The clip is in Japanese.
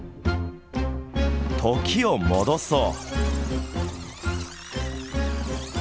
時を戻そう。